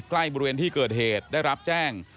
ใกล้บริเวณที่เกิดเหตุได้รับแจ้ง